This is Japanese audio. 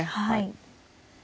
はい。